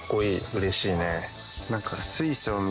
うれしいね。